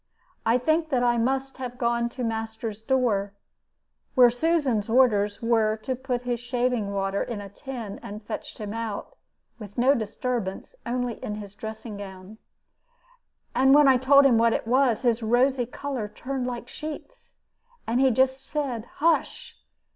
I think that I must have gone to master's door, where Susan's orders were to put his shaving water in a tin, and fetched him out, with no disturbance, only in his dressing gown. And when I told him what it was, his rosy color turned like sheets, and he just said, 'Hush!'